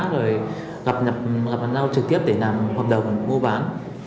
rồi gặp nhau trực tiếp để làm hợp đồng mua bán